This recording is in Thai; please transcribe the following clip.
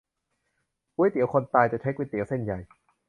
ก๋วยเตี๋ยวคนตาย จะใช้ก๋วยเตี๋ยวเส้นใหญ่